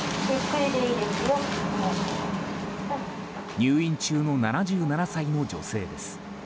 入院中の７７歳の女性です。